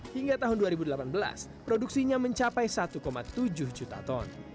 hingga tahun dua ribu delapan belas produksinya mencapai satu tujuh juta ton